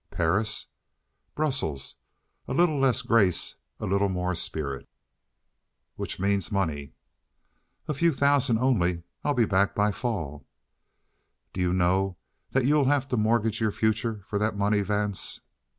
"Paris?" "Brussels. A little less grace; a little more spirit." "Which means money." "A few thousand only. I'll be back by fall." "Do you know that you'll have to mortgage your future for that money, Vance?"